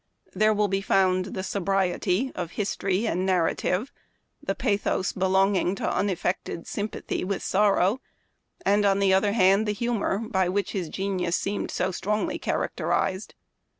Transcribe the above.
There will be found the sobriety of history and narrative, the pathos belonging to unaffected sympathy with sorrow, and, on the other hand, the humor by which his genius seemed so strongly characterized.